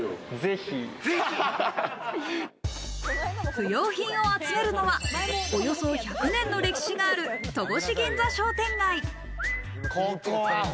不用品を集めるのは、およそ１００年の歴史がある戸越銀座商店街。